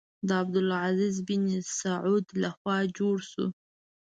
د عبدالعزیز بن سعود له خوا جوړ شو.